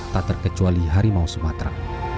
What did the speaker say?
tak terkecuali harimau sumatera